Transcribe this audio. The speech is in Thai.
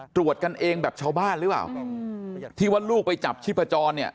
ตรวจกันเองแบบชาวบ้านหรือเปล่าที่ว่าลูกไปจับชีพจรเนี่ย